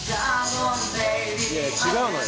いや違うのよ